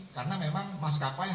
karena memang maskapai harus